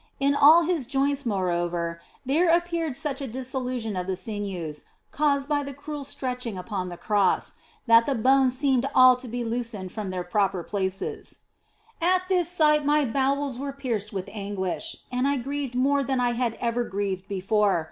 In all His joints, moreover, there appeared such a dissolution of the sinews (caused by the cruel stretching upon the Cross) that the bones seemed all to be loosened from their proper places. OF FOLIGNO 235 At this sight my bowels were pierced with anguish and I grieved more than I had ever grieved before.